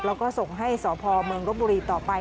แล้วก็ส่งให้สพเมืองรบบุรีต่อไป